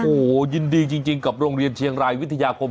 โอ้โหยินดีจริงกับโรงเรียนเชียงรายวิทยาคม